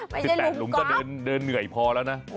ไม่ใช่หลุมก๊อบแต่หลุมก็เดินเหนื่อยพอแล้วนะไม่ใช่หลุมก๊อบ